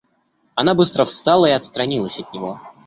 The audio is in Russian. Она быстро встала и отстранилась от него.